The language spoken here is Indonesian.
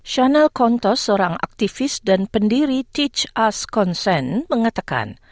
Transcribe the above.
shannel kontos seorang aktivis dan pendiri teach us konsen mengatakan